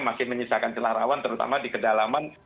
masih menyisakan celah rawan terutama di kedalaman